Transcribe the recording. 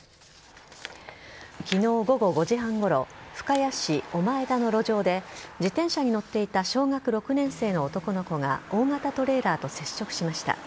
昨日午後５時半ごろ深谷市小前田の路上で自転車に乗っていた小学６年生の男の子が大型トレーラーと接触しました。